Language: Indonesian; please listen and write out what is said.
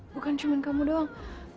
bukan cuma kamu doang